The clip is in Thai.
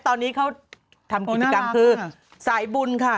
ตอนนี้เขาทำกิจกรรมคือสายบุญค่ะ